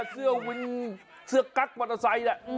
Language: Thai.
เสื้อวินเสื้อกั๊กมอเตอร์ไซค์แหละ